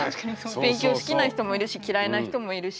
勉強好きな人もいるし嫌いな人もいるし。